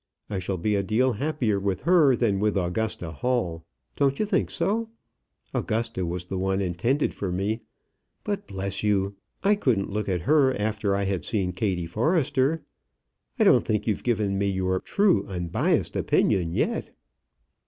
I shall be a deal happier with her than with Augusta Hall. Don't you think so? Augusta was the one intended for me; but, bless you, I couldn't look at her after I had seen Kattie Forrester. I don't think you've given me your true unbiassed opinion yet."